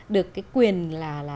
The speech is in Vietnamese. được cái quyền là